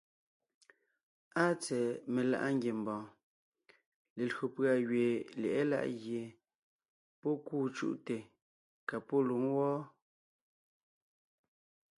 Áa tsɛ̀ɛ meláʼa ngiembɔɔn, lelÿò pʉ̀a gẅiin lyɛ̌ʼɛ láʼ gie pɔ́ kûu cúʼte ka pɔ́ lwǒŋ wɔ́ɔ.